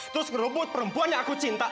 terus keruput perempuan yang aku cinta